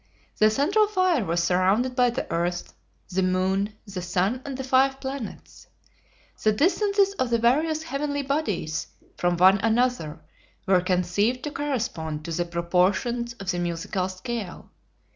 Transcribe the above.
The central fire was surrounded by the earth, the moon, the sun, and the five planets. The distances of the various heavenly bodies from one another were conceived to correspond to the proportions of the musical scale.